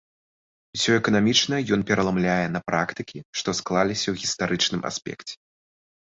Усё эканамічнае ён пераламляе на практыкі, што склаліся ў гістарычным аспекце.